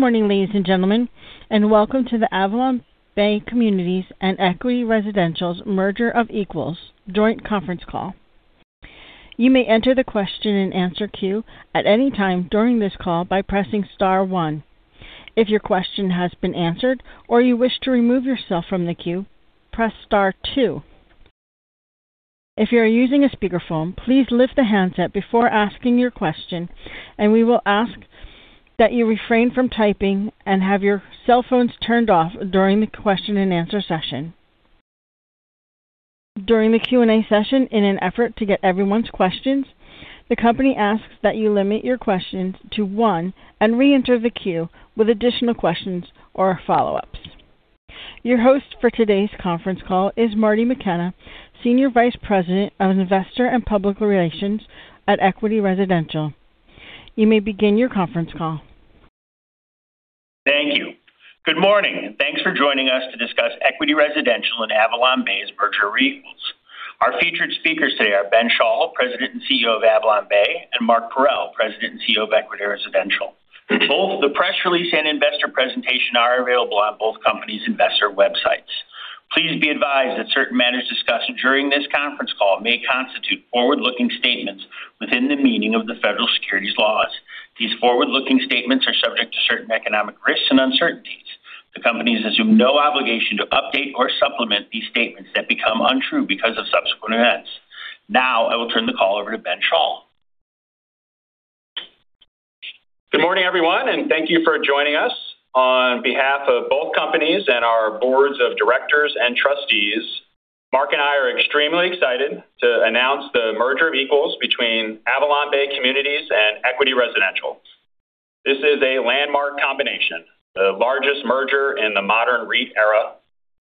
Morning, ladies and gentlemen, welcome to the AvalonBay Communities and Equity Residential's Merger of Equals joint conference call. You may enter the question and answer queue at any time during this call by pressing star one. If your question has been answered or you wish to remove yourself from the queue, press star two. If you are using a speakerphone, please lift the handset before asking your question, we will ask that you refrain from typing and have your cell phones turned off during the question and answer session. During the Q&A session, in an effort to get everyone's questions, the company asks that you limit your questions to 1 and re-enter the queue with additional questions or follow-ups. Your host for today's conference call is Marty McKenna, Senior Vice President of Investor and Public Relations at Equity Residential. You may begin your conference call. Thank you. Good morning, and thanks for joining us to discuss Equity Residential and AvalonBay's Merger of Equals. Our featured speakers today are Ben Schall, President and CEO of AvalonBay, and Mark Parrell, President and CEO of Equity Residential. Both the press release and investor presentation are available on both companies' investor websites. Please be advised that certain matters discussed during this conference call may constitute forward-looking statements within the meaning of the federal securities laws. These forward-looking statements are subject to certain economic risks and uncertainties. The companies assume no obligation to update or supplement these statements that become untrue because of subsequent events. Now I will turn the call over to Ben Schall. Good morning, everyone, and thank you for joining us. On behalf of both companies and our boards of directors and trustees, Mark and I are extremely excited to announce the Merger of Equals between AvalonBay Communities and Equity Residential. This is a landmark combination, the largest merger in the modern REIT era,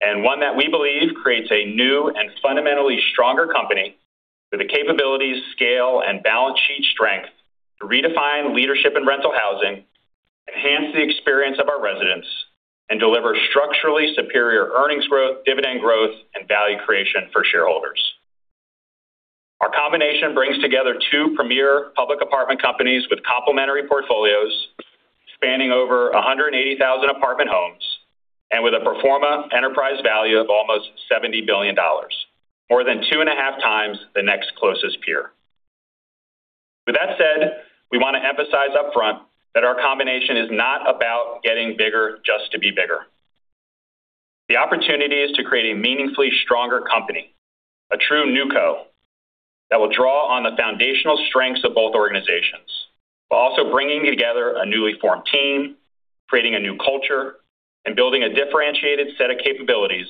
and one that we believe creates a new and fundamentally stronger company with the capabilities, scale, and balance sheet strength to redefine leadership and rental housing, enhance the experience of our residents, and deliver structurally superior earnings growth, dividend growth, and value creation for shareholders. Our combination brings together two premier public apartment companies with complementary portfolios spanning over 180,000 apartment homes and with a pro forma enterprise value of almost $70 billion, more than two and a half times the next closest peer. With that said, we want to emphasize upfront that our combination is not about getting bigger just to be bigger. The opportunity is to create a meaningfully stronger company, a true NewCo, that will draw on the foundational strengths of both organizations while also bringing together a newly formed team, creating a new culture, and building a differentiated set of capabilities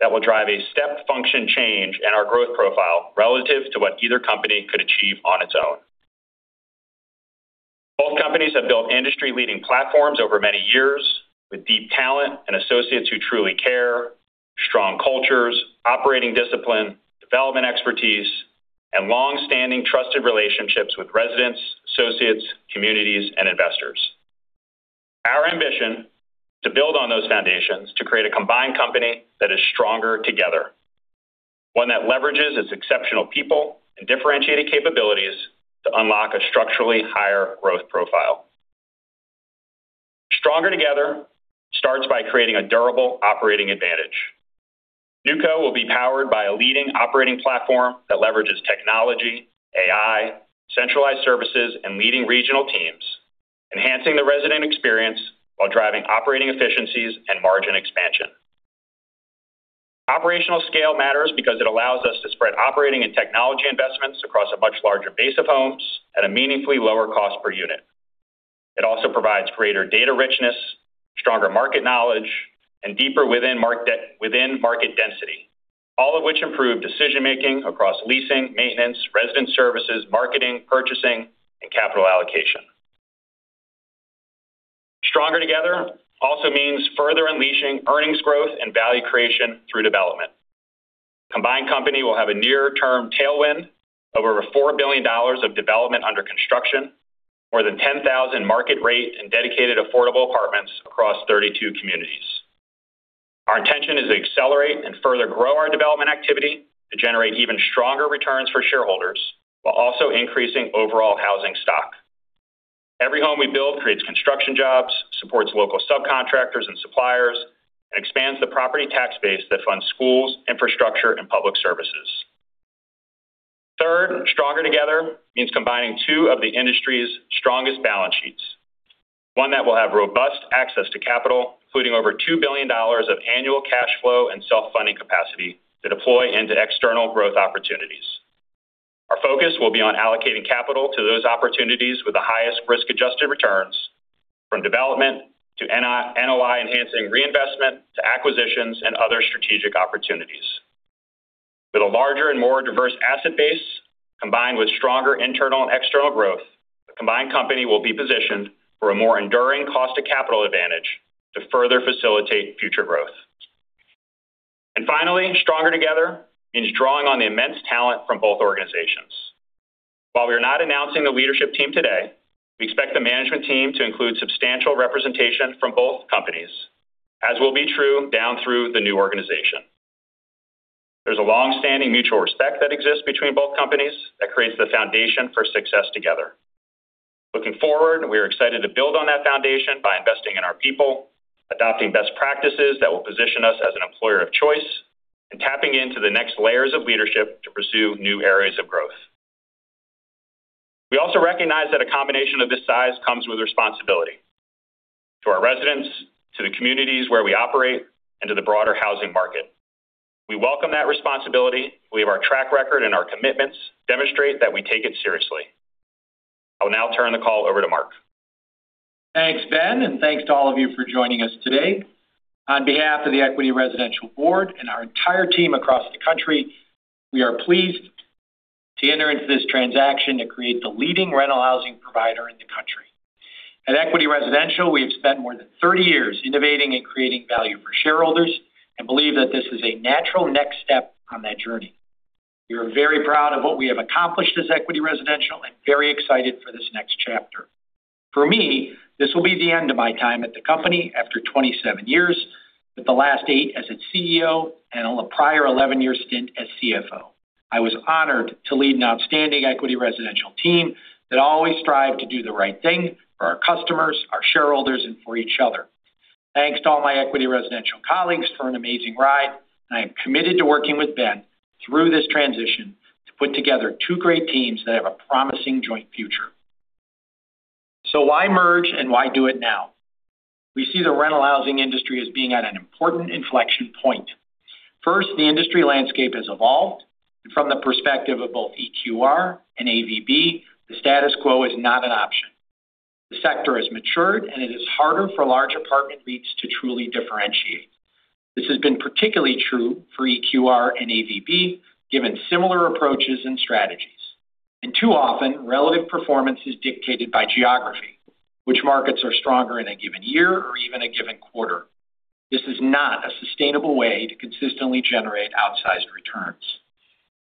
that will drive a step function change in our growth profile relative to what either company could achieve on its own. Both companies have built industry-leading platforms over many years with deep talent and associates who truly care, strong cultures, operating discipline, development expertise, and long-standing trusted relationships with residents, associates, communities, and investors. Our ambition to build on those foundations to create a combined company that is stronger together, one that leverages its exceptional people and differentiated capabilities to unlock a structurally higher growth profile. Stronger together starts by creating a durable operating advantage. NewCo will be powered by a leading operating platform that leverages technology, AI, centralized services, and leading regional teams, enhancing the resident experience while driving operating efficiencies and margin expansion. Operational scale matters because it allows us to spread operating and technology investments across a much larger base of homes at a meaningfully lower cost per unit. It also provides greater data richness, stronger market knowledge, and deeper within market density, all of which improve decision-making across leasing, maintenance, resident services, marketing, purchasing, and capital allocation. Stronger together also means further unleashing earnings growth and value creation through development. Combined company will have a near-term tailwind of over $4 billion of development under construction, more than 10,000 market rate and dedicated affordable apartments across 32 communities. Our intention is to accelerate and further grow our development activity to generate even stronger returns for shareholders while also increasing overall housing stock. Every home we build creates construction jobs, supports local subcontractors and suppliers, and expands the property tax base that funds schools, infrastructure, and public services. Third, stronger together means combining two of the industry's strongest balance sheets, one that will have robust access to capital, including over $2 billion of annual cash flow and self-funding capacity to deploy into external growth opportunities. Our focus will be on allocating capital to those opportunities with the highest risk-adjusted returns from development to NOI enhancing reinvestment to acquisitions and other strategic opportunities. With a larger and more diverse asset base combined with stronger internal and external growth, the combined company will be positioned for a more enduring cost of capital advantage to further facilitate future growth. Finally, stronger together means drawing on the immense talent from both organizations. While we are not announcing the leadership team today, we expect the management team to include substantial representation from both companies, as will be true down through the new organization. There's a longstanding mutual respect that exists between both companies that creates the foundation for success together. Looking forward, we are excited to build on that foundation by investing in our people, adopting best practices that will position us as an employer of choice, and tapping into the next layers of leadership to pursue new areas of growth. We also recognize that a combination of this size comes with responsibility to our residents, to the communities where we operate, and to the broader housing market. We welcome that responsibility. We have our track record, and our commitments demonstrate that we take it seriously. I will now turn the call over to Mark. Thanks, Ben, and thanks to all of you for joining us today. On behalf of the Equity Residential Board and our entire team across the country, we are pleased to enter into this transaction to create the leading rental housing provider in the country. At Equity Residential, we have spent more than 30 years innovating and creating value for shareholders and believe that this is a natural next step on that journey. We are very proud of what we have accomplished as Equity Residential and very excited for this next chapter. For me, this will be the end of my time at the company after 27 years, with the last eight as its CEO and a prior 11-year stint as CFO. I was honored to lead an outstanding Equity Residential team that always strived to do the right thing for our customers, our shareholders, and for each other. Thanks to all my Equity Residential colleagues for an amazing ride. I am committed to working with Ben through this transition to put together two great teams that have a promising joint future. Why merge and why do it now? We see the rental housing industry as being at an important inflection point. First, the industry landscape has evolved, and from the perspective of both EQR and AVB, the status quo is not an option. The sector has matured, and it is harder for large apartment REITs to truly differentiate. This has been particularly true for EQR and AVB, given similar approaches and strategies. Too often, relative performance is dictated by geography, which markets are stronger in a given year or even a given quarter. This is not a sustainable way to consistently generate outsized returns.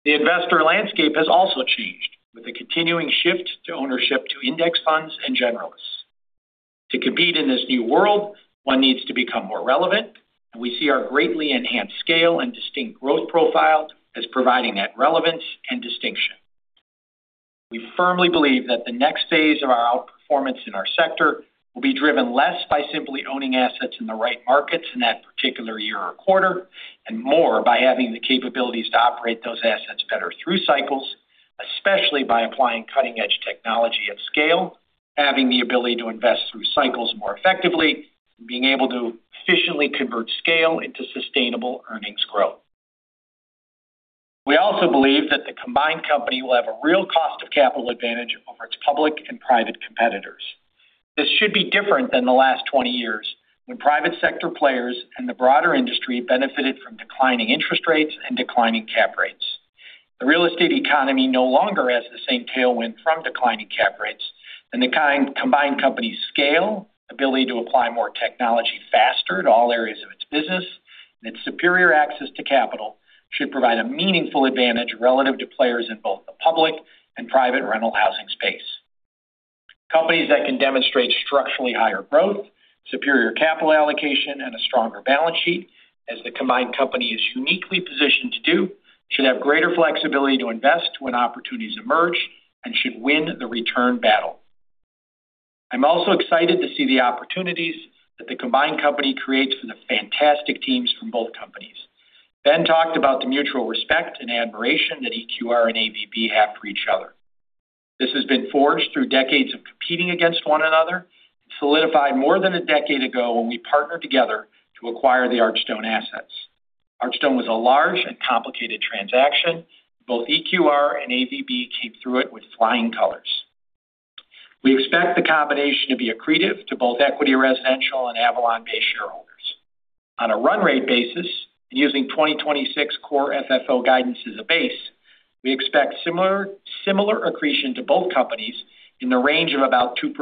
The investor landscape has also changed with the continuing shift to ownership to index funds and generalists. To compete in this new world, one needs to become more relevant, and we see our greatly enhanced scale and distinct growth profile as providing that relevance and distinction. We firmly believe that the next phase of our outperformance in our sector will be driven less by simply owning assets in the right markets in that particular year or quarter, and more by having the capabilities to operate those assets better through cycles, especially by applying cutting-edge technology at scale, having the ability to invest through cycles more effectively, being able to efficiently convert scale into sustainable earnings growth. We also believe that the combined company will have a real cost of capital advantage over its public and private competitors. This should be different than the last 20 years when private sector players and the broader industry benefited from declining interest rates and declining cap rates. The real estate economy no longer has the same tailwind from declining cap rates, and the combined company's scale, ability to apply more technology faster to all areas of its business, and its superior access to capital should provide a meaningful advantage relative to players in both the public and private rental housing space. Companies that can demonstrate structurally higher growth, superior capital allocation, and a stronger balance sheet as the combined company is uniquely positioned to do should have greater flexibility to invest when opportunities emerge and should win the return battle. I'm also excited to see the opportunities that the combined company creates for the fantastic teams from both companies. Ben talked about the mutual respect and admiration that EQR and AVB have for each other. This has been forged through decades of competing against one another and solidified more than a decade ago when we partnered together to acquire the Archstone assets. Archstone was a large and complicated transaction. Both EQR and AVB came through it with flying colors. We expect the combination to be accretive to both Equity Residential and AvalonBay shareholders. On a run rate basis, using 2026 core FFO guidance as a base, we expect similar accretion to both companies in the range of about 2%.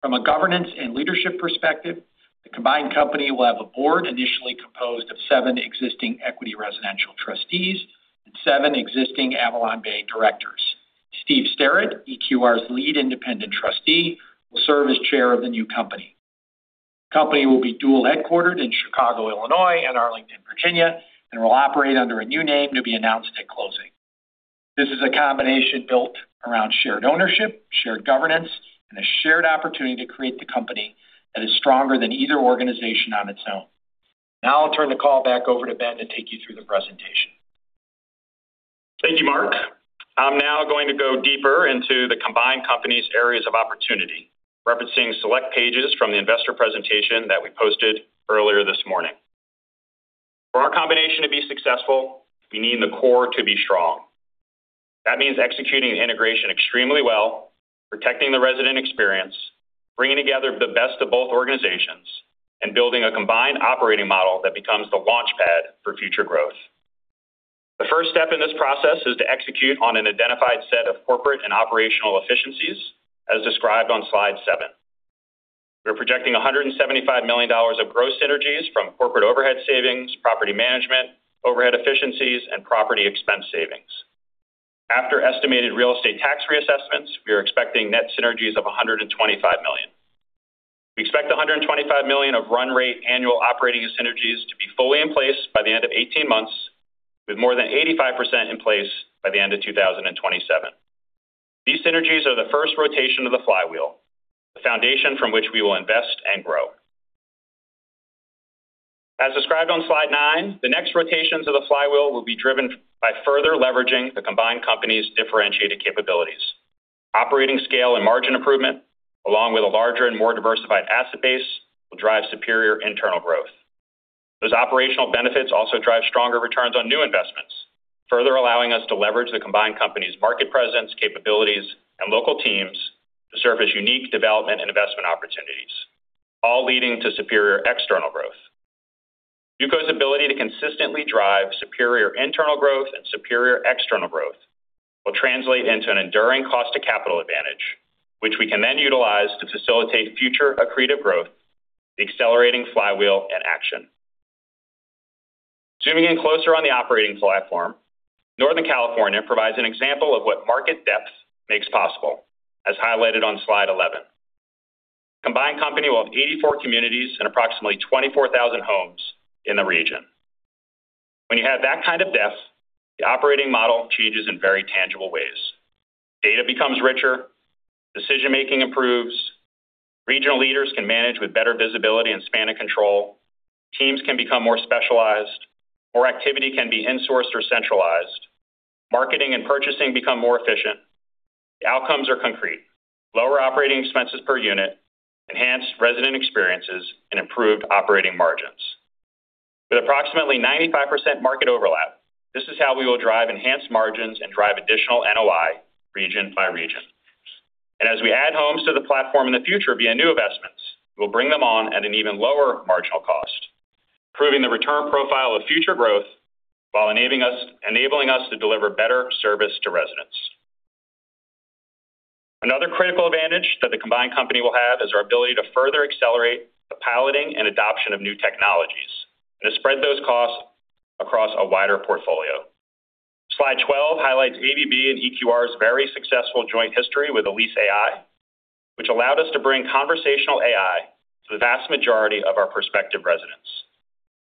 From a governance and leadership perspective, the combined company will have a board initially composed of seven existing Equity Residential trustees and seven existing AvalonBay directors. Steve Sterrett, EQR's lead independent trustee, will serve as chair of the new company. The company will be dual-headquartered in Chicago, Illinois, and Arlington, Virginia, and will operate under a new name to be announced at closing. This is a combination built around shared ownership, shared governance, and a shared opportunity to create the company that is stronger than either organization on its own. I'll turn the call back over to Ben to take you through the presentation. Thank you, Mark. I'm now going to go deeper into the combined company's areas of opportunity, referencing select pages from the investor presentation that we posted earlier this morning. For our combination to be successful, we need the core to be strong. That means executing the integration extremely well, protecting the resident experience, bringing together the best of both organizations, and building a combined operating model that becomes the launchpad for future growth. The first step in this process is to execute on an identified set of corporate and operational efficiencies, as described on slide seven. We're projecting $175 million of gross synergies from corporate overhead savings, property management, overhead efficiencies, and property expense savings. After estimated real estate tax reassessments, we are expecting net synergies of $125 million. We expect $125 million of run rate annual operating synergies to be fully in place by the end of 18 months, with more than 85% in place by the end of 2027. These synergies are the first rotation of the flywheel, the foundation from which we will invest and grow. As described on slide nine, the next rotations of the flywheel will be driven by further leveraging the combined company's differentiated capabilities. Operating scale and margin improvement, along with a larger and more diversified asset base, will drive superior internal growth. Those operational benefits also drive stronger returns on new investments, further allowing us to leverage the combined company's market presence, capabilities, and local teams to surface unique development and investment opportunities, all leading to superior external growth. NewCo's ability to consistently drive superior internal growth and superior external growth will translate into an enduring cost to capital advantage, which we can then utilize to facilitate future accretive growth, the accelerating flywheel in action. Zooming in closer on the operating platform, Northern California provides an example of what market depth makes possible, as highlighted on slide 11. Combined company will have 84 communities and approximately 24,000 homes in the region. When you have that kind of depth, the operating model changes in very tangible ways. Data becomes richer. Decision-making improves. Regional leaders can manage with better visibility and span of control. Teams can become more specialized. More activity can be insourced or centralized. Marketing and purchasing become more efficient. The outcomes are concrete. Lower operating expenses per unit, enhanced resident experiences, and improved operating margins. With approximately 95% market overlap, this is how we will drive enhanced margins and drive additional NOI region by region. As we add homes to the platform in the future via new investments, we'll bring them on at an even lower marginal cost, improving the return profile of future growth while enabling us to deliver better service to residents. Another critical advantage that the combined company will have is our ability to further accelerate the piloting and adoption of new technologies and to spread those costs across a wider portfolio. Slide 12 highlights AVB and EQR's very successful joint history with EliseAI, which allowed us to bring conversational AI to the vast majority of our prospective residents.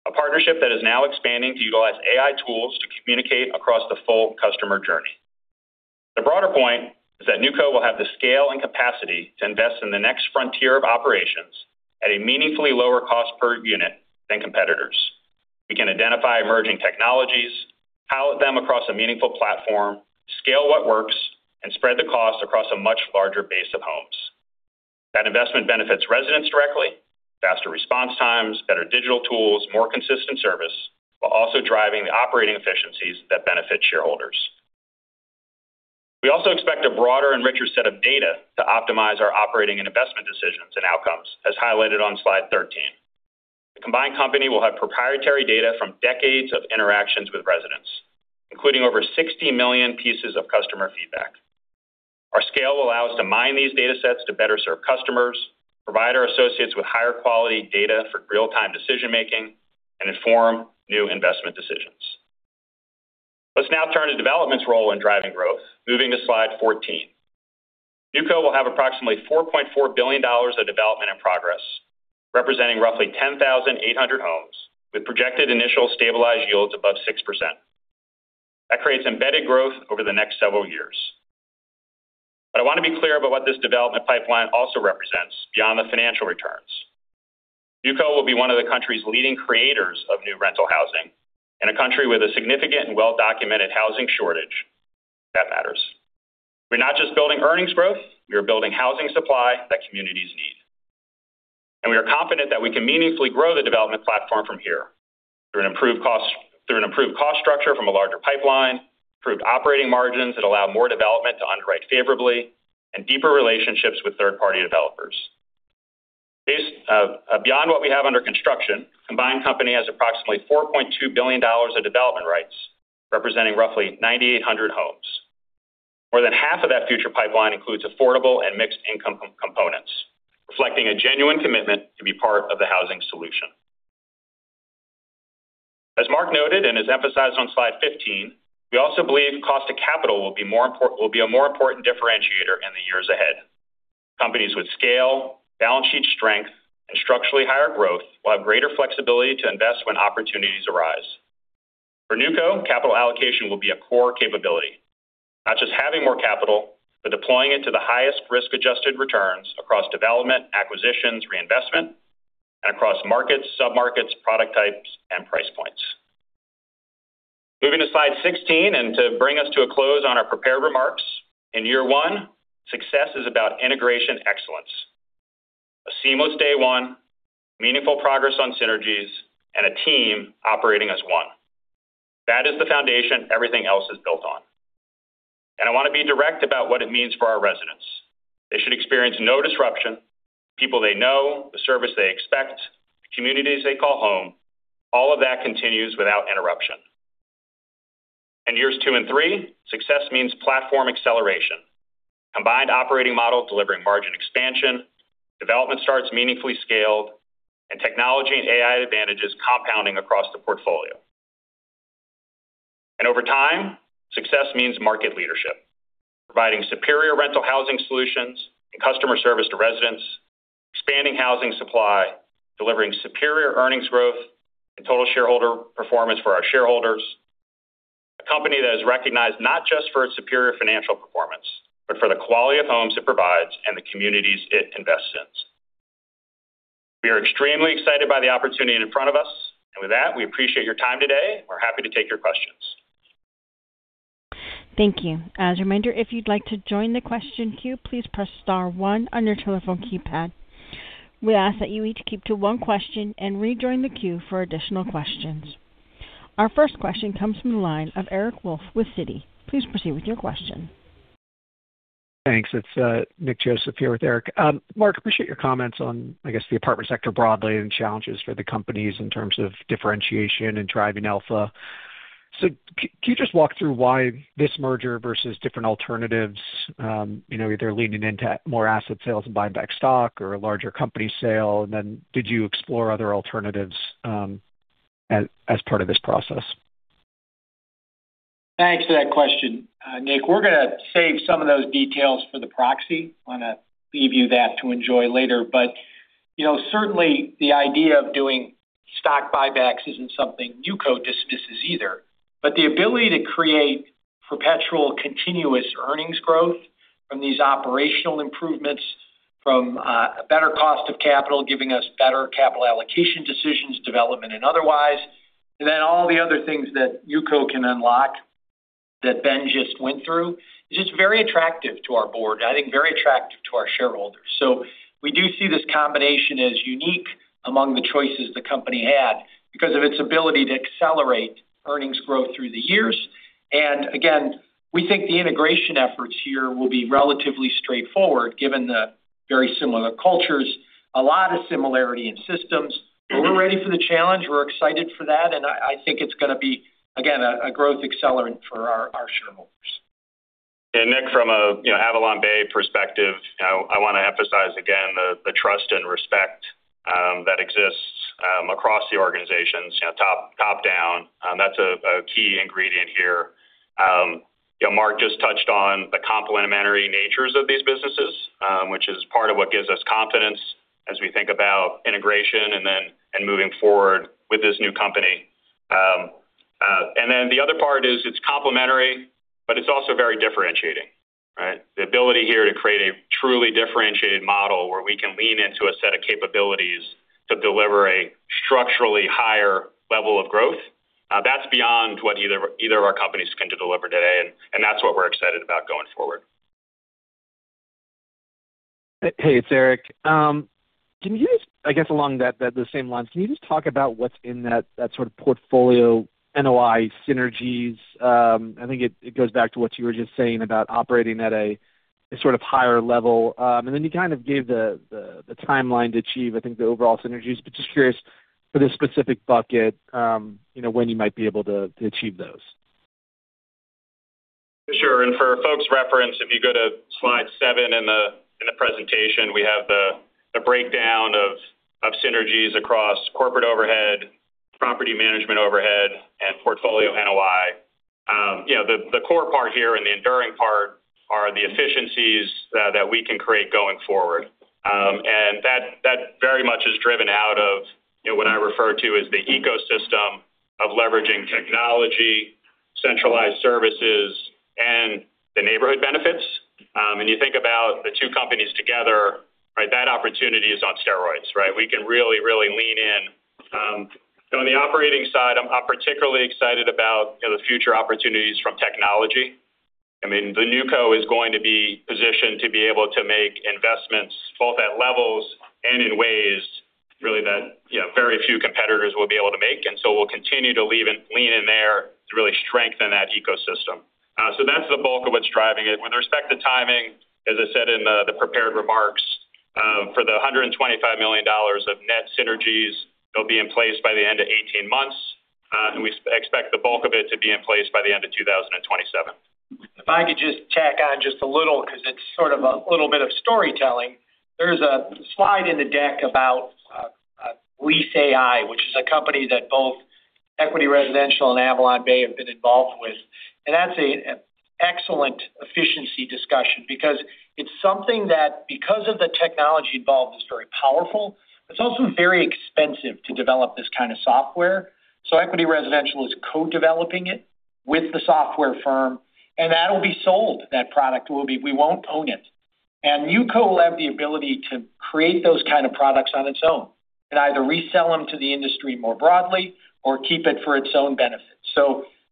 A partnership that is now expanding to utilize AI tools to communicate across the full customer journey. The broader point is that NewCo will have the scale and capacity to invest in the next frontier of operations at a meaningfully lower cost per unit than competitors. We can identify emerging technologies, pilot them across a meaningful platform, scale what works, and spread the cost across a much larger base of homes. That investment benefits residents directly. Faster response times, better digital tools, more consistent service, while also driving the operating efficiencies that benefit shareholders. We also expect a broader and richer set of data to optimize our operating and investment decisions and outcomes, as highlighted on slide 13. The combined company will have proprietary data from decades of interactions with residents, including over 60 million pieces of customer feedback. Our scale will allow us to mine these data sets to better serve customers, provide our associates with higher quality data for real-time decision-making, and inform new investment decisions. Let's now turn to development's role in driving growth, moving to slide 14. NewCo will have approximately $4.4 billion of development in progress, representing roughly 10,800 homes, with projected initial stabilized yields above 6%. That creates embedded growth over the next several years. I want to be clear about what this development pipeline also represents beyond the financial returns. NewCo will be one of the country's leading creators of new rental housing. In a country with a significant and well-documented housing shortage, that matters. We're not just building earnings growth. We are building housing supply that communities need. We are confident that we can meaningfully grow the development platform from here through an improved cost structure from a larger pipeline, improved operating margins that allow more development to underwrite favorably, and deeper relationships with third-party developers. Beyond what we have under construction, combined company has approximately $4.2 billion of development rights, representing roughly 9,800 homes. More than half of that future pipeline includes affordable and mixed income components, reflecting a genuine commitment to be part of the housing solution. As Mark noted and is emphasized on slide 15, we also believe cost of capital will be a more important differentiator in the years ahead. Companies with scale, balance sheet strength, and structurally higher growth will have greater flexibility to invest when opportunities arise. For NewCo, capital allocation will be a core capability. Not just having more capital, but deploying it to the highest risk-adjusted returns across development, acquisitions, reinvestment, and across markets, sub-markets, product types, and price points. Moving to slide 16 to bring us to a close on our prepared remarks. In year one, success is about integration excellence. A seamless day one, meaningful progress on synergies, and a team operating as one. That is the foundation everything else is built on. I want to be direct about what it means for our residents. They should experience no disruption. The people they know, the service they expect, the communities they call home, all of that continues without interruption. In years two and three, success means platform acceleration. Combined operating model delivering margin expansion, development starts meaningfully scaled, and technology and AI advantages compounding across the portfolio. Over time, success means market leadership, providing superior rental housing solutions and customer service to residents, expanding housing supply, delivering superior earnings growth and total shareholder performance for our shareholders. A company that is recognized not just for its superior financial performance, but for the quality of homes it provides and the communities it invests in. We are extremely excited by the opportunity in front of us. With that, we appreciate your time today. We're happy to take your questions. Thank you. As a reminder, if you'd like to join the question queue, please press star one on your telephone keypad. We ask that you each keep to one question and rejoin the queue for additional questions. Our first question comes from the line of Eric Wolfe with Citi. Please proceed with your question. Thanks. It's Nick Joseph here with Eric. Mark, appreciate your comments on, I guess, the apartment sector broadly and challenges for the companies in terms of differentiation and driving alpha. Can you just walk through why this merger versus different alternatives, either leaning into more asset sales and buying back stock or a larger company sale? Did you explore other alternatives as part of this process? Thanks for that question, Nick. We're going to save some of those details for the proxy. We want to leave you that to enjoy later. Certainly, the idea of doing stock buybacks isn't something NewCo dismisses either. The ability to create perpetual continuous earnings growth from these operational improvements, from a better cost of capital giving us better capital allocation decisions, development, and otherwise, and then all the other things that NewCo can unlock that Ben just went through, is just very attractive to our board, and I think very attractive to our shareholders. We do see this combination as unique among the choices the company had because of its ability to accelerate earnings growth through the years. Again, we think the integration efforts here will be relatively straightforward given the very similar cultures, a lot of similarity in systems. We're ready for the challenge. We're excited for that. I think it's going to be, again, a growth accelerant for our shareholders. Nick, from an AvalonBay perspective, I want to emphasize again the trust and respect that exists across the organizations top-down. That's a key ingredient here. Mark just touched on the complementary natures of these businesses, which is part of what gives us confidence as we think about integration and moving forward with this new company. The other part is it's complementary, but it's also very differentiating, right? The ability here to create a truly differentiated model where we can lean into a set of capabilities to deliver a structurally higher level of growth. That's beyond what either of our companies can deliver today, and that's what we're excited about going forward. Hey, it's Eric. I guess along the same lines, can you just talk about what's in that sort of portfolio NOI synergies? I think it goes back to what you were just saying about operating at a sort of higher level. You kind of gave the timeline to achieve, I think, the overall synergies, but just curious for this specific bucket when you might be able to achieve those. Sure. For folks' reference, if you go to slide seven in the presentation, we have the breakdown of synergies across corporate overhead, property management overhead, and portfolio NOI. The core part here and the enduring part are the efficiencies that we can create going forward. That very much is driven out of what I refer to as the ecosystem of leveraging technology, centralized services, and the neighborhood benefits. You think about the two companies together, that opportunity is on steroids, right? We can really lean in. On the operating side, I'm particularly excited about the future opportunities from technology. The NewCo is going to be positioned to be able to make investments both at levels and in ways really that very few competitors will be able to make. We'll continue to lean in there to really strengthen that ecosystem. That's the bulk of what's driving it. With respect to timing, as I said in the prepared remarks, for the $125 million of net synergies, they'll be in place by the end of 18 months. We expect the bulk of it to be in place by the end of 2027. If I could just tack on just a little because it's sort of a little bit of storytelling. There's a slide in the deck about EliseAI, which is a company that both Equity Residential and AvalonBay have been involved with. That's an excellent efficiency discussion because it's something that because of the technology involved, is very powerful. It's also very expensive to develop this kind of software. Equity Residential is co-developing it with the software firm, and that'll be sold. That product, we won't own it. NewCo will have the ability to create those kind of products on its own and either resell them to the industry more broadly or keep it for its own benefit.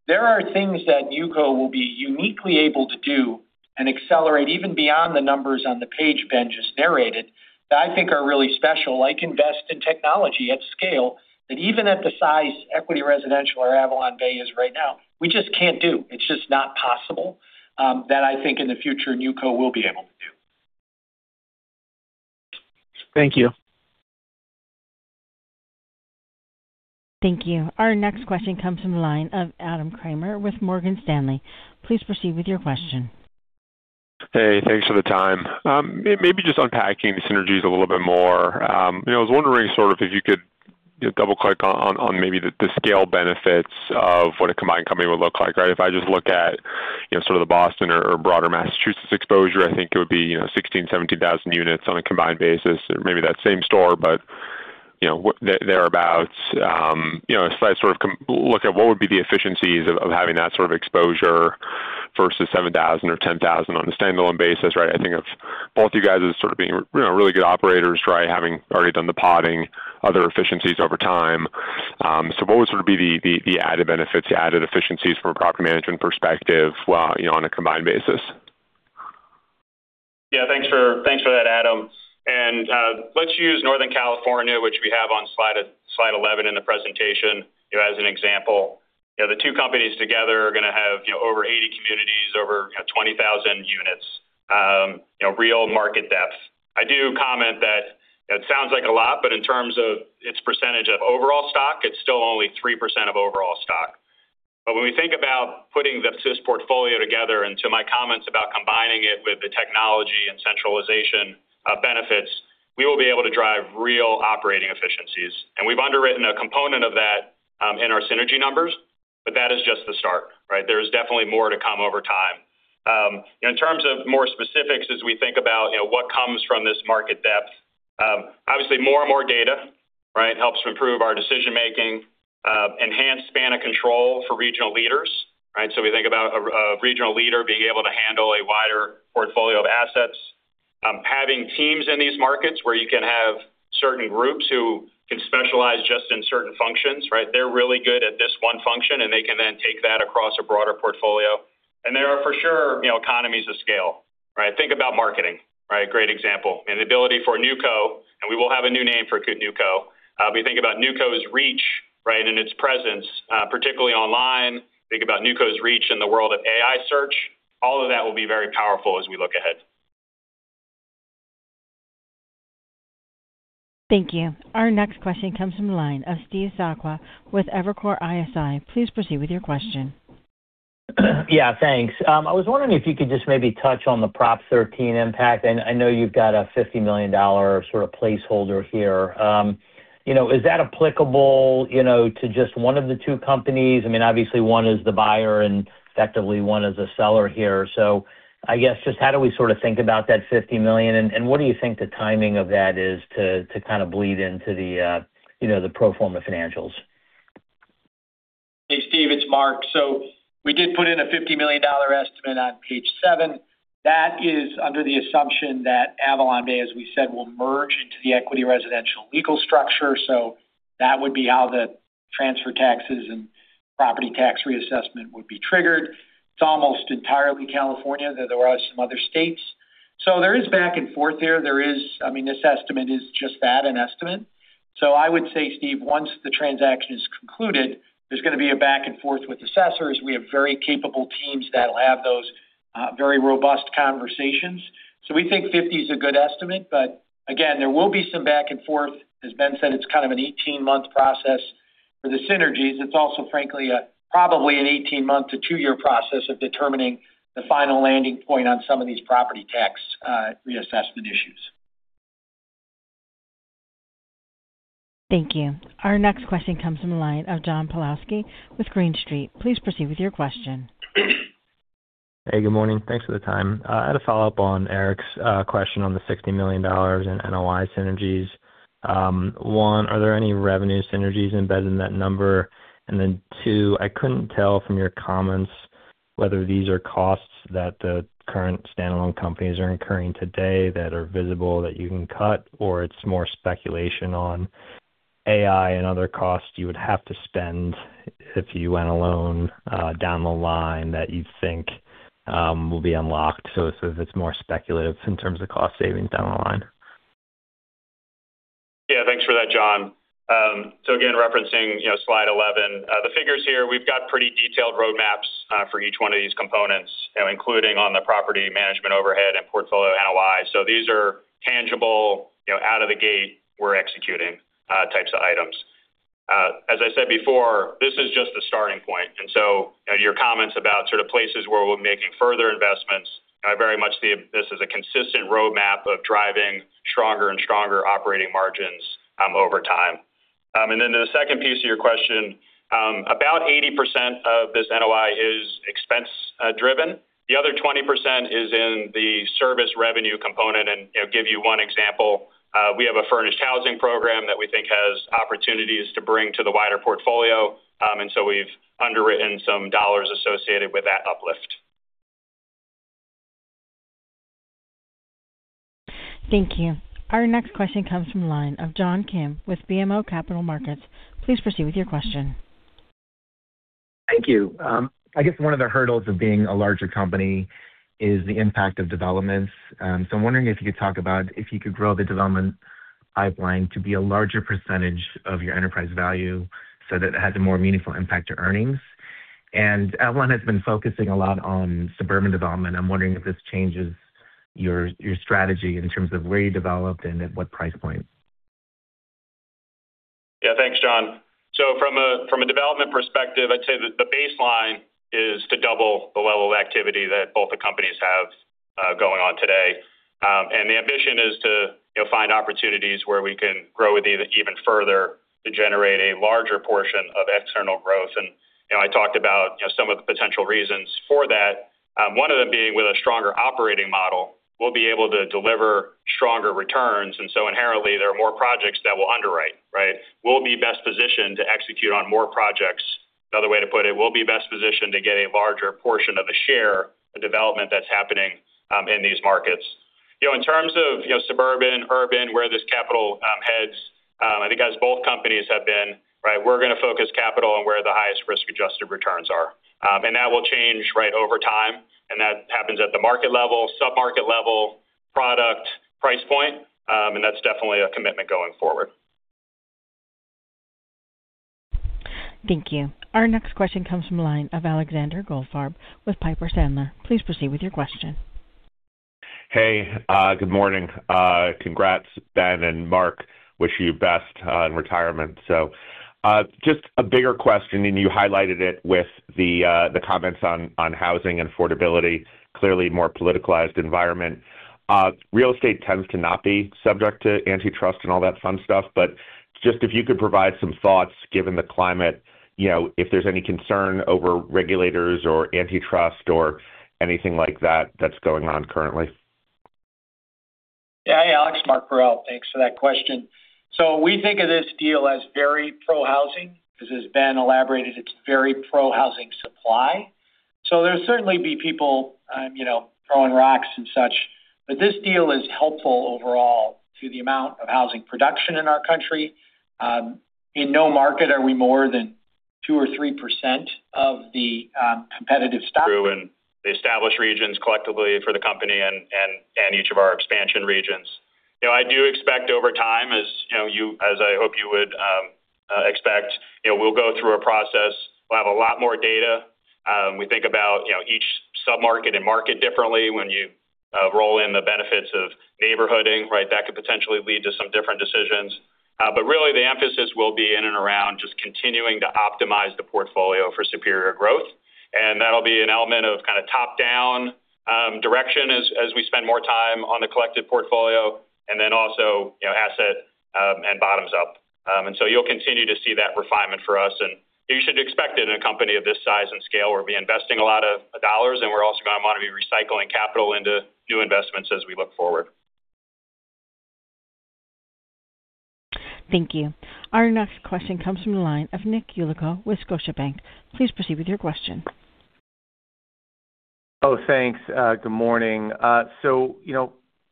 There are things that NewCo will be uniquely able to do and accelerate even beyond the numbers on the page Ben just narrated that I think are really special, like invest in technology at scale. That even at the size Equity Residential or AvalonBay is right now, we just can't do. It's just not possible. That I think in the future, NewCo will be able to do. Thank you. Thank you. Our next question comes from the line of Adam Kramer with Morgan Stanley. Please proceed with your question. Just unpacking the synergies a little bit more. I was wondering if you could double-click on maybe the scale benefits of what a combined company would look like. If I just look at sort of the Boston or broader Massachusetts exposure, I think it would be 16,000, 17,000 units on a combined basis or maybe that same store, but thereabout. If I look at what would be the efficiencies of having that sort of exposure versus 7,000 or 10,000 on a standalone basis. I think of both you guys as sort of being really good operators, having already done the podding, other efficiencies over time. What would sort of be the added benefits, the added efficiencies from a property management perspective on a combined basis? Thanks for that, Adam. Let's use Northern California, which we have on slide 11 in the presentation, as an example. The two companies together are going to have over 80 communities, over 20,000 units, real market depth. I do comment that it sounds like a lot, but in terms of its percentage of overall stock, it's still only 3% of overall stock. When we think about putting the [SIS] portfolio together, and to my comments about combining it with the technology and centralization benefits, we will be able to drive real operating efficiencies. We've underwritten a component of that in our synergy numbers. That is just the start. There is definitely more to come over time. In terms of more specifics as we think about what comes from this market depth. Obviously more and more data helps to improve our decision making, enhance span of control for regional leaders. We think about a regional leader being able to handle a wider portfolio of assets. Having teams in these markets where you can have certain groups who can specialize just in certain functions. They're really good at this one function, and they can then take that across a broader portfolio. There are for sure economies of scale. Think about marketing. Great example. The ability for a NewCo, and we will have a new name for NewCo. We think about NewCo's reach and its presence, particularly online. Think about NewCo's reach in the world of AI search. All of that will be very powerful as we look ahead. Thank you. Our next question comes from the line of Steve Sakwa with Evercore ISI. Please proceed with your question. Yeah. Thanks. I was wondering if you could just maybe touch on the Proposition 13 impact. I know you've got a $50 million sort of placeholder here. Is that applicable to just one of the two companies? Obviously, one is the buyer and effectively one is a seller here. I guess just how do we sort of think about that $50 million, and what do you think the timing of that is to kind of bleed into the pro forma financials? Hey, Steve, it's Mark. We did put in a $50 million estimate on page seven. That is under the assumption that AvalonBay, as we said, will merge into the Equity Residential legal structure. That would be how the transfer taxes and property tax reassessment would be triggered. It's almost entirely California, though there are some other states. There is back and forth there. This estimate is just that, an estimate. I would say, Steve, once the transaction is concluded, there's going to be a back and forth with assessors. We have very capable teams that'll have those very robust conversations. We think $50 million is a good estimate, but again, there will be some back and forth. As Ben said, it's kind of an 18-month process for the synergies. It's also, frankly, probably an 18-month to two-year process of determining the final landing point on some of these property tax reassessment issues. Thank you. Our next question comes from the line of John Pawlowski with Green Street. Please proceed with your question. Hey, good morning. Thanks for the time. I had a follow-up on Eric's question on the $60 million in NOI synergies. One, are there any revenue synergies embedded in that number? Two, I couldn't tell from your comments whether these are costs that the current standalone companies are incurring today that are visible that you can cut, or it's more speculation on AI and other costs you would have to spend if you went alone down the line that you think will be unlocked. If it's more speculative in terms of cost savings down the line. Yeah, thanks for that, John. Again, referencing slide 11. The figures here, we've got pretty detailed roadmaps for each one of these components, including on the property management overhead and portfolio NOI. These are tangible, out of the gate we're executing types of items. As I said before, this is just a starting point, your comments about sort of places where we're making further investments, I very much see this as a consistent roadmap of driving stronger and stronger operating margins over time. To the second piece of your question, about 80% of this NOI is expense driven. The other 20% is in the service revenue component, give you one example. We have a furnished housing program that we think has opportunities to bring to the wider portfolio. We've underwritten some dollars associated with that uplift. Thank you. Our next question comes from the line of John Kim with BMO Capital Markets. Please proceed with your question. Thank you. I guess one of the hurdles of being a larger company is the impact of developments. I'm wondering if you could talk about if you could grow the development pipeline to be a larger percentage of your enterprise value so that it has a more meaningful impact to earnings. Avalon has been focusing a lot on suburban development. I'm wondering if this changes your strategy in terms of where you developed and at what price points. Yeah, thanks, John. From a development perspective, I'd say that the baseline is to double the level of activity that both the companies have going on today. The ambition is to find opportunities where we can grow with even further to generate a larger portion of external growth. I talked about some of the potential reasons for that. One of them being with a stronger operating model, we'll be able to deliver stronger returns, and so inherently, there are more projects that we'll underwrite. Right? We'll be best positioned to execute on more projects. Another way to put it, we'll be best positioned to get a larger portion of the share of development that's happening in these markets. In terms of suburban, urban, where this capital heads, I think as both companies have been, we're going to focus capital on where the highest risk-adjusted returns are. That will change over time, and that happens at the market level, sub-market level, product, price point. That's definitely a commitment going forward. Thank you. Our next question comes from the line of Alexander Goldfarb with Piper Sandler. Please proceed with your question. Hey, good morning. Congrats, Ben and Mark. Wish you best in retirement. Just a bigger question, and you highlighted it with the comments on housing and affordability, clearly a more politicalized environment. Real estate tends to not be subject to antitrust and all that fun stuff, but just if you could provide some thoughts given the climate, if there's any concern over regulators or antitrust or anything like that's going on currently. Yeah. Alex, Mark Parrell. Thanks for that question. We think of this deal as very pro-housing because as Ben elaborated, it's very pro-housing supply. There'll certainly be people throwing rocks and such, but this deal is helpful overall to the amount of housing production in our country. In no market are we more than 2% or 3% of the competitive stock. True in the established regions collectively for the company and each of our expansion regions. I do expect over time, as I hope you would expect, we'll go through a process. We'll have a lot more data. We think about each sub-market and market differently when you roll in the benefits of neighborhooding, right. That could potentially lead to some different decisions. Really, the emphasis will be in and around just continuing to optimize the portfolio for superior growth. That'll be an element of kind of top-down direction as we spend more time on the collected portfolio, and then also asset and bottoms-up. You'll continue to see that refinement for us, and you should expect it in a company of this size and scale. We'll be investing a lot of dollars, and we're also going to want to be recycling capital into new investments as we look forward. Thank you. Our next question comes from the line of Nick Yulico with Scotiabank. Please proceed with your question. Oh, thanks. Good morning.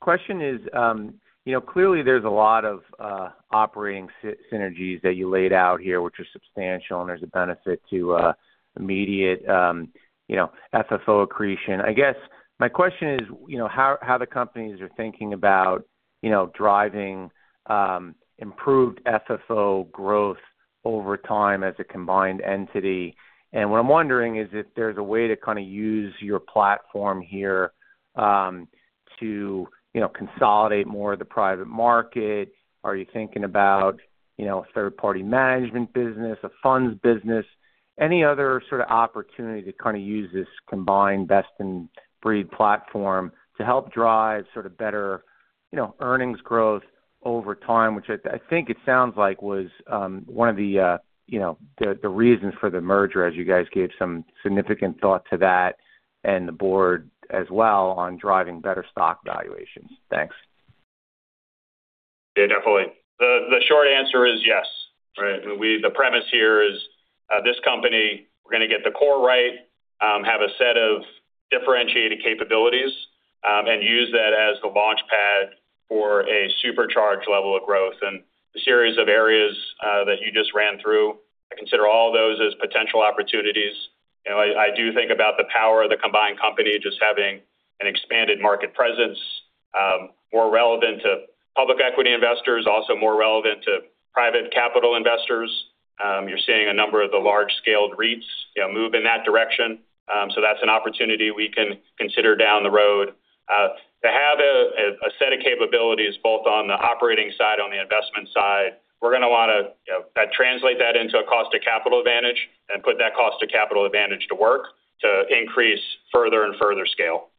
Question is, clearly there's a lot of operating synergies that you laid out here, which are substantial, and there's a benefit to immediate FFO accretion. I guess my question is how the companies are thinking about driving improved FFO growth over time as a combined entity. What I'm wondering is if there's a way to kind of use your platform here to consolidate more of the private market. Are you thinking about a third-party management business, a funds business? Any other sort of opportunity to kind of use this combined best-in-breed platform to help drive sort of better earnings growth over time, which I think it sounds like was one of the reasons for the merger as you guys gave some significant thought to that, and the board as well on driving better stock valuations. Thanks. Yeah, definitely. The short answer is yes. Right. The premise here is, this company, we're going to get the core right, have a set of differentiated capabilities, and use that as the launchpad for a supercharged level of growth. The series of areas that you just ran through, I consider all those as potential opportunities. I do think about the power of the combined company just having an expanded market presence, more relevant to public equity investors, also more relevant to private capital investors. You're seeing a number of the large-scaled REITs move in that direction. That's an opportunity we can consider down the road. To have a set of capabilities both on the operating side, on the investment side, we're going to want to translate that into a cost of capital advantage and put that cost of capital advantage to work to increase further and further scale.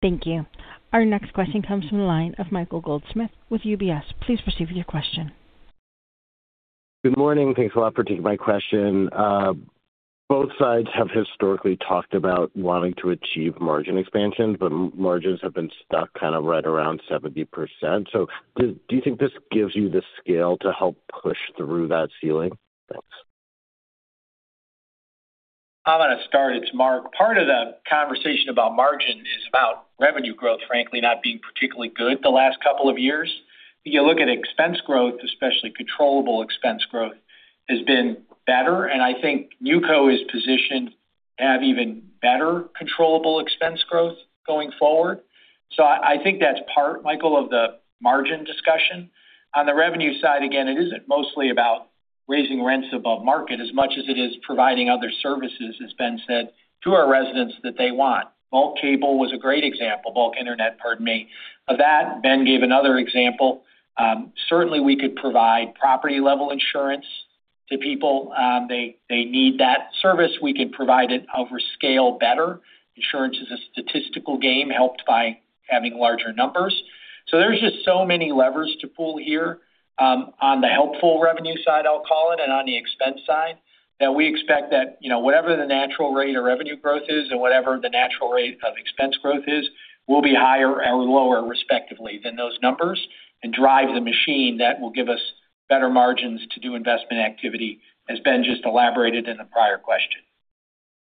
Thank you. Our next question comes from the line of Michael Goldsmith with UBS. Please proceed with your question. Good morning. Thanks a lot for taking my question. Both sides have historically talked about wanting to achieve margin expansion, but margins have been stuck kind of right around 70%. Do you think this gives you the scale to help push through that ceiling? Thanks. I'm going to start. It's Mark. Part of the conversation about margin is about revenue growth, frankly, not being particularly good the last couple of years. If you look at expense growth, especially controllable expense growth, has been better, and I think NewCo is positioned to have even better controllable expense growth going forward. I think that's part, Michael, of the margin discussion. On the revenue side, again, it isn't mostly about raising rents above market as much as it is providing other services, as Ben said, to our residents that they want. Bulk cable was a great example. Bulk internet, pardon me. Of that, Ben gave another example. Certainly, we could provide property-level insurance to people. They need that service. We could provide it over scale better. Insurance is a statistical game helped by having larger numbers. There's just so many levers to pull here. On the helpful revenue side, I'll call it, and on the expense side, that we expect that whatever the natural rate of revenue growth is and whatever the natural rate of expense growth is, will be higher or lower, respectively, than those numbers and drive the machine that will give us better margins to do investment activity, as Ben just elaborated in the prior question.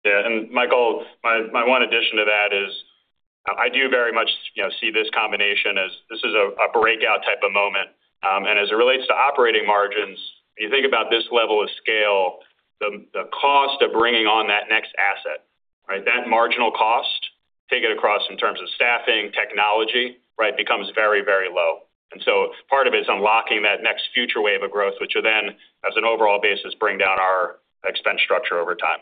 Yeah. Michael, my one addition to that is I do very much see this combination as this is a breakout type of moment. As it relates to operating margins, when you think about this level of scale, the cost of bringing on that next asset, that marginal cost, take it across in terms of staffing, technology, becomes very, very low. Part of it's unlocking that next future wave of growth, which will then, as an overall basis, bring down our expense structure over time.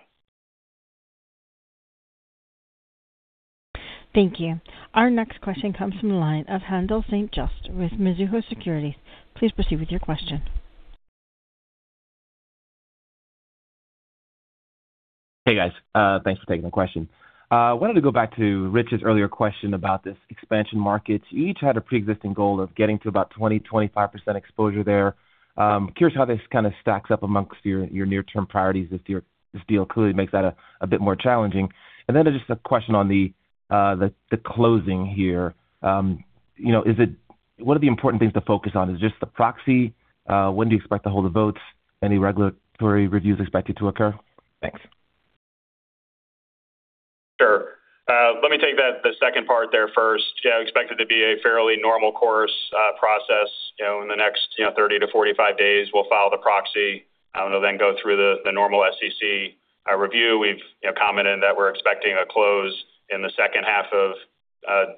Thank you. Our next question comes from the line of Haendel St. Juste with Mizuho Securities. Please proceed with your question. Hey, guys. Thanks for taking the question. I wanted to go back to Rich's earlier question about this expansion market. You each had a preexisting goal of getting to about 20%, 25% exposure there. Curious how this kind of stacks up amongst your near-term priorities. This deal clearly makes that a bit more challenging. Then just a question on the closing here. What are the important things to focus on? Is it just the proxy? When do you expect to hold the votes? Any regulatory reviews expected to occur? Thanks. Sure. Let me take the second part there first. Expected to be a fairly normal course process. In the next 30-45 days, we'll file the proxy. It'll go through the normal SEC review. We've commented that we're expecting a close in the second half of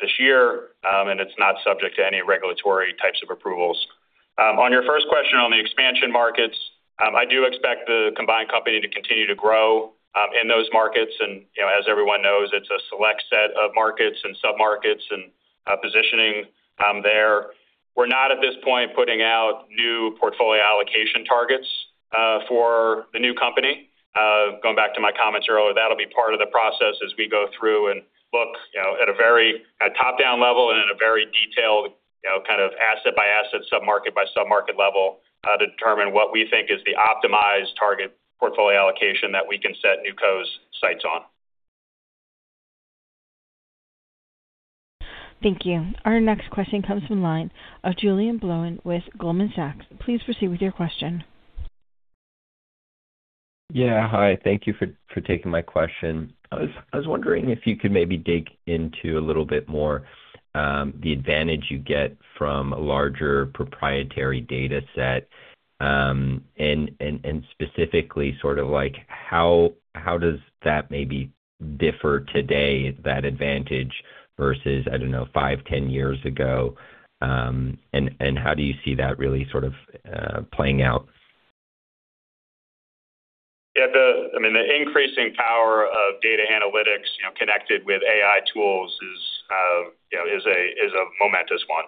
this year. It's not subject to any regulatory types of approvals. On your first question on the expansion markets, I do expect the combined company to continue to grow in those markets. As everyone knows, it's a select set of markets and sub-markets and positioning there. We're not at this point putting out new portfolio allocation targets for the new company. Going back to my comments earlier, that'll be part of the process as we go through and look at a top-down level and at a very detailed kind of asset by asset, sub-market by sub-market level to determine what we think is the optimized target portfolio allocation that we can set NewCo's sights on. Thank you. Our next question comes from the line of Julien Blouin with Goldman Sachs. Please proceed with your question. Yeah. Hi. Thank you for taking my question. I was wondering if you could maybe dig into a little bit more the advantage you get from a larger proprietary data set, and specifically sort of like how does that maybe differ today, that advantage, versus, I don't know, five, 10 years ago? How do you see that really sort of playing out? The increasing power of data analytics connected with AI tools is a momentous one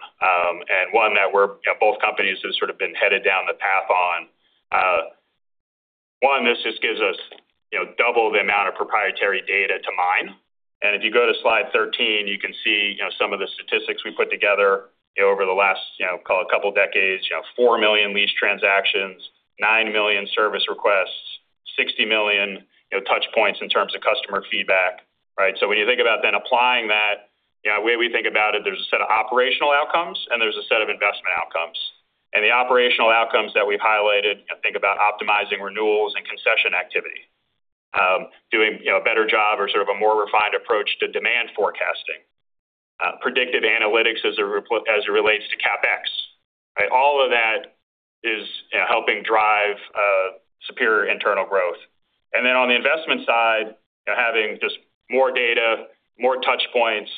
that both companies have sort of been headed down the path on. One, this just gives us double the amount of proprietary data to mine. If you go to slide 13, you can see some of the statistics we put together over the last, call it couple decades. 4 million lease transactions, 9 million service requests, 60 million touch points in terms of customer feedback, right? When you think about then applying that, the way we think about it, there's a set of operational outcomes and there's a set of investment outcomes. The operational outcomes that we've highlighted, think about optimizing renewals and concession activity. Doing a better job or sort of a more refined approach to demand forecasting. Predictive analytics as it relates to CapEx, right? All of that is helping drive superior internal growth. On the investment side, having just more data, more touch points,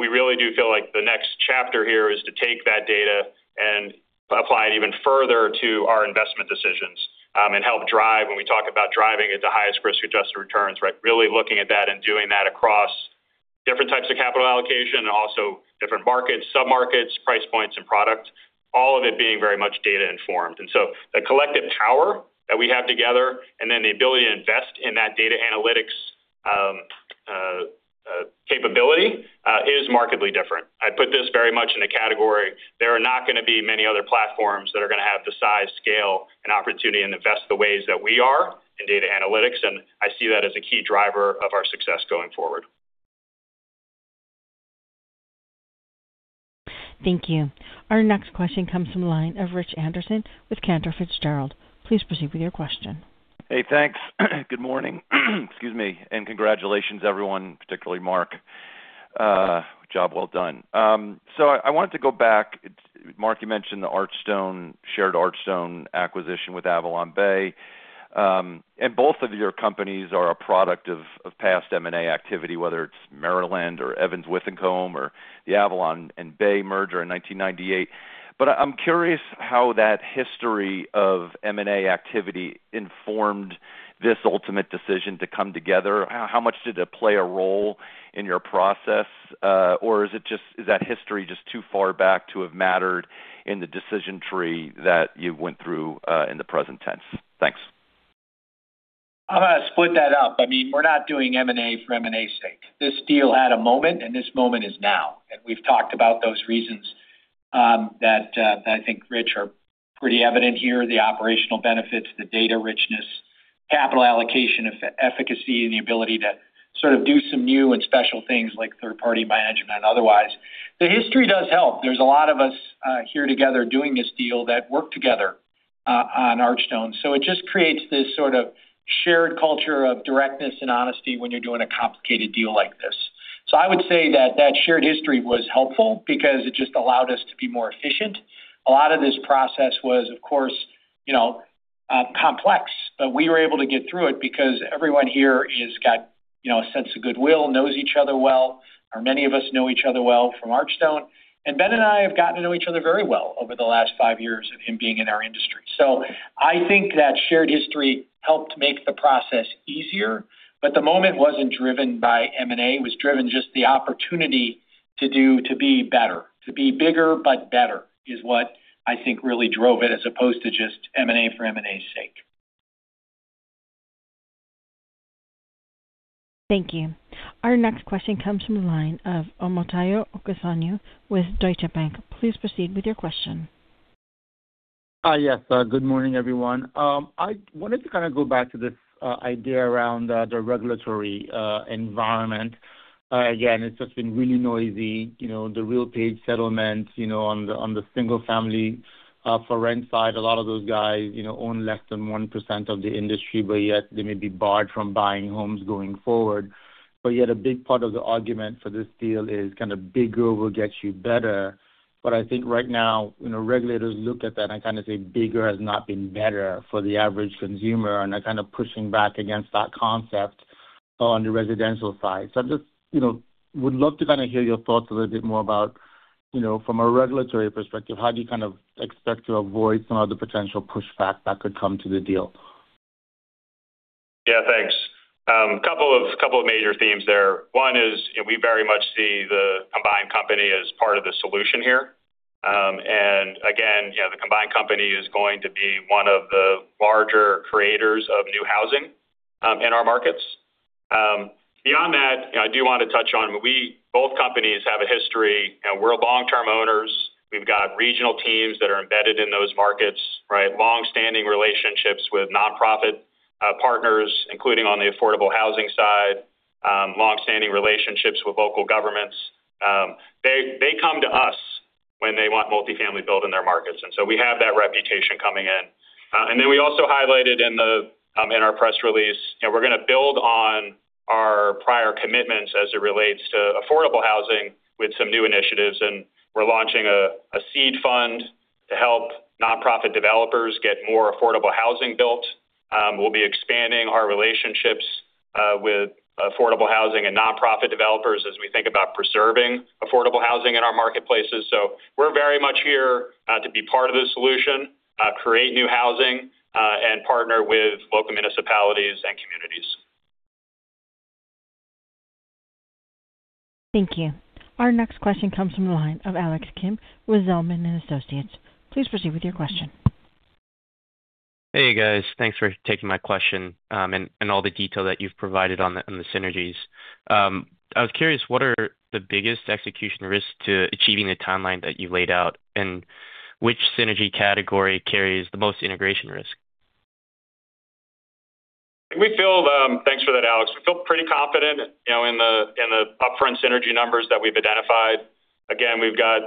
we really do feel like the next chapter here is to take that data and apply it even further to our investment decisions, and help drive when we talk about driving at the highest risk-adjusted returns, right? Really looking at that and doing that across different types of capital allocation and also different markets, sub-markets, price points, and product, all of it being very much data informed. The collective power that we have together and then the ability to invest in that data analytics capability is markedly different. I put this very much in a category. There are not going to be many other platforms that are going to have the size, scale, and opportunity and invest the ways that we are in data analytics, and I see that as a key driver of our success going forward. Thank you. Our next question comes from the line of Rich Anderson with Cantor Fitzgerald. Please proceed with your question. Hey, thanks. Good morning. Excuse me. Congratulations, everyone, particularly Mark. Job well done. I wanted to go back Mark, you mentioned the Archstone, shared Archstone acquisition with AvalonBay. Both of your companies are a product of past M&A activity, whether it's Merry Land or Evans Withycombe or the Avalon and Bay merger in 1998. I'm curious how that history of M&A activity informed this ultimate decision to come together. How much did it play a role in your process? Is that history just too far back to have mattered in the decision tree that you went through in the present tense? Thanks. I'm going to split that up. We're not doing M&A for M&A's sake. This deal had a moment, this moment is now. We've talked about those reasons that I think, Rich, are pretty evident here, the operational benefits, the data richness, capital allocation efficacy, and the ability to sort of do some new and special things like third-party management otherwise. The history does help. There's a lot of us here together doing this deal that worked together on Archstone. It just creates this sort of shared culture of directness and honesty when you're doing a complicated deal like this. I would say that that shared history was helpful because it just allowed us to be more efficient. A lot of this process was, of course, complex. We were able to get through it because everyone here has got a sense of goodwill, knows each other well, or many of us know each other well from Archstone. Ben and I have gotten to know each other very well over the last five years of him being in our industry. I think that shared history helped make the process easier. The moment wasn't driven by M&A. It was driven just the opportunity to be better, to be bigger, but better, is what I think really drove it, as opposed to just M&A for M&A's sake. Thank you. Our next question comes from the line of Omotayo Okusanya with Deutsche Bank. Please proceed with your question. Yes. Good morning, everyone. I wanted to kind of go back to this idea around the regulatory environment. Again, it's just been really noisy. The RealPage settlement on the single-family for rent side. A lot of those guys own less than 1% of the industry, but yet they may be barred from buying homes going forward. Yet a big part of the argument for this deal is kind of bigger will get you better. I think right now, regulators look at that and kind of say bigger has not been better for the average consumer, and they're kind of pushing back against that concept on the residential side. I just would love to kind of hear your thoughts a little bit more about from a regulatory perspective, how do you kind of expect to avoid some of the potential pushback that could come to the deal? Yeah, thanks. Couple of major themes there. One is we very much see the combined company as part of the solution here. Again, the combined company is going to be one of the larger creators of new housing in our markets. Beyond that, I do want to touch on both companies have a history. We're long-term owners. We've got regional teams that are embedded in those markets, right? Long-standing relationships with nonprofit partners, including on the affordable housing side, long-standing relationships with local governments. They come to us when they want multifamily build in their markets, we have that reputation coming in. We also highlighted in our press release, we're going to build on our prior commitments as it relates to affordable housing with some new initiatives, and we're launching a seed fund to help nonprofit developers get more affordable housing built. We'll be expanding our relationships with affordable housing and nonprofit developers as we think about preserving affordable housing in our marketplaces. We're very much here to be part of the solution, create new housing, and partner with local municipalities and communities. Thank you. Our next question comes from the line of Alex Kim with Zelman & Associates. Please proceed with your question. Hey, guys. Thanks for taking my question, and all the detail that you've provided on the synergies. I was curious, what are the biggest execution risks to achieving the timeline that you laid out, and which synergy category carries the most integration risk? Thanks for that, Alex. We feel pretty confident in the upfront synergy numbers that we've identified. Again, we've got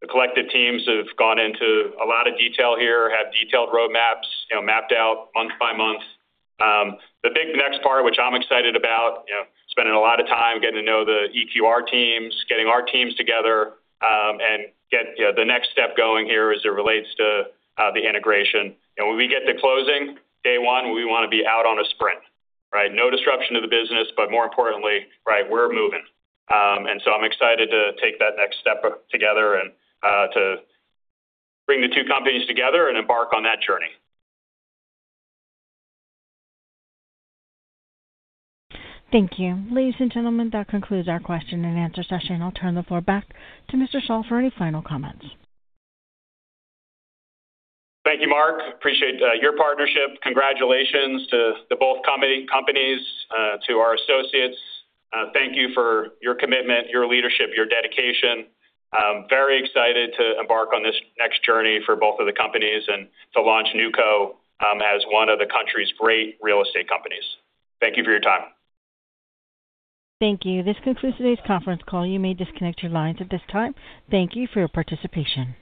the collective teams who have gone into a lot of detail here, have detailed roadmaps mapped out month by month. The big next part, which I'm excited about, spending a lot of time getting to know the EQR teams, getting our teams together, and get the next step going here as it relates to the integration. When we get to closing, day one, we want to be out on a sprint, right? No disruption to the business, but more importantly, we're moving. I'm excited to take that next step together and to bring the two companies together and embark on that journey. Thank you. Ladies and gentlemen, that concludes our question and answer session. I'll turn the floor back to Mr. Schall for any final comments. Thank you, Mark. Appreciate your partnership. Congratulations to both companies. To our associates thank you for your commitment, your leadership, your dedication. Very excited to embark on this next journey for both of the companies and to launch NewCo as one of the country's great real estate companies. Thank you for your time. Thank you. This concludes today's conference call. You may disconnect your lines at this time. Thank you for your participation.